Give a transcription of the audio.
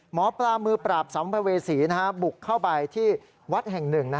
หมอปลามือปราบสัมภเวษีบุกเข้าไปที่วัดแห่งหนึ่ง